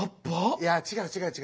いや違う違う違う。